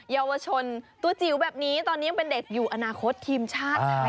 เยาวชนตัวจิ๋วแบบนี้ตอนนี้ยังเป็นเด็กอยู่อนาคตทีมชาติไทย